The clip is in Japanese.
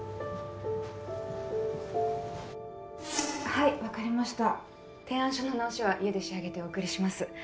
はい分かりました提案書の直しは家で仕上げてお送りします